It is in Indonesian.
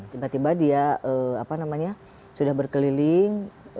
tiba tiba dia sudah berkeliling